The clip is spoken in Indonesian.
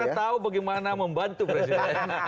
kira kira tahu bagaimana membantu presiden